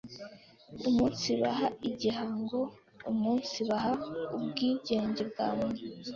umunsibaha igihango Umunsibaha ubwigenge bwa muntu